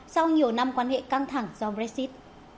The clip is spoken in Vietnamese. sau nhiều năm quan hệ căng thẳng do brexit